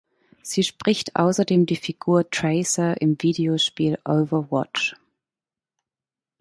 Sie spricht außerdem die Figur Tracer im Videospiel "Overwatch".